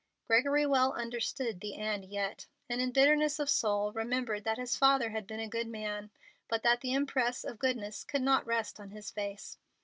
Gregory well understood the "and yet," and in bitterness of soul remembered that his father had been a good man, but that the impress of goodness could not rest on his face.